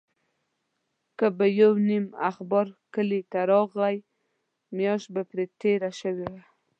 که به یو نیم اخبار کلي ته راغی، میاشت به پرې تېره شوې وه.